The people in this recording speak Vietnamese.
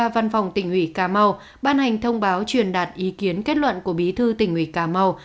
văn phòng tỉnh ủy cà mau ban hành thông báo truyền đạt ý kiến kết luận của bí thư tỉnh ủy cà mau